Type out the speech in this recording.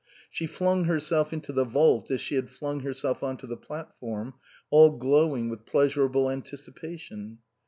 She flung herself into the vault as she had flung herself on to the platform, all glowing with pleasurable anticipation.